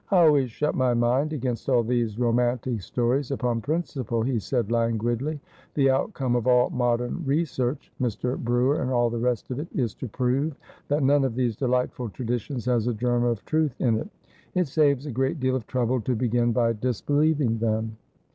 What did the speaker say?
' I always shut my mind against all these romantic stories upon principle,' he said languidly. ' The outcome of all modern research — Mr. Brewer, and all the rest of it — is to prove that none of these delightful traditions has a germ of truth in it. It saves a great deal of trouble to begin by disbelieving them.'